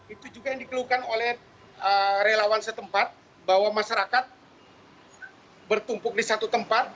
itu juga yang dikeluhkan oleh relawan setempat bahwa masyarakat bertumpuk di satu tempat